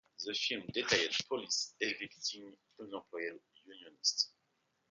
The film detailed police evicting unemployed unionists.